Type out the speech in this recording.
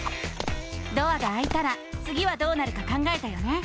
ドアがあいたらつぎはどうなるか考えたよね？